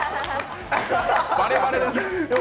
バレバレです。